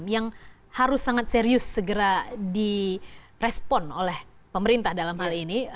yang harus sangat serius segera direspon oleh pemerintah dalam hal ini